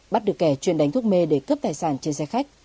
bắt được kẻ chuyên đánh thuốc mê để cướp tài sản trên xe khách